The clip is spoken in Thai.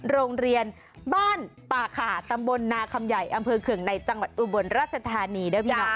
โรงเรียนบ้านป่าขาตำบลนาคำใหญ่อำเภอเกือบในอุบรรราชธานี